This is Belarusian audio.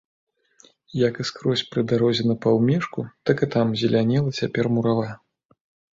Як і скрозь пры дарозе на паўмежку, так і там зелянела цяпер мурава.